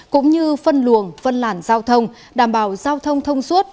cũng như phân luồng phân làn giao thông đảm bảo giao thông thông suốt